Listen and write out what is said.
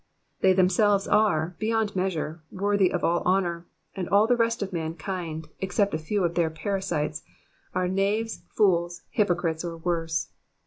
They themselves are, beyond measure, worthy of all honour, and all the rest of mankind, except a few of their para sites, are knaves, fools, hypocrites, or worse.